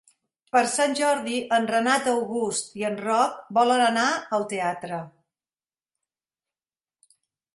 Per Sant Jordi en Renat August i en Roc volen anar al teatre.